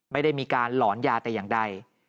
ไม่ได้มีการหลอนยาแต่อย่างใด